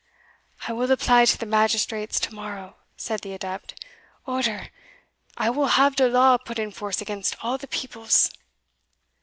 "I will apply to the magistrates to morrow," said the adept; "oder, I will have de law put in force against all the peoples."